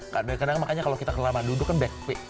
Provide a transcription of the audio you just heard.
karena makanya kalau kita lama duduk kan back pain